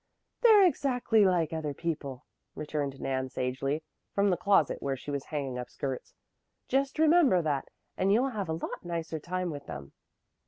"They're exactly like other people," returned Nan sagely, from the closet where she was hanging up skirts. "Just remember that and you'll have a lot nicer time with them."